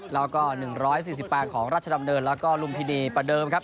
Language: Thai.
แล้วก็๑๔๘ของราชดำเนินแล้วก็ลุมพินีประเดิมครับ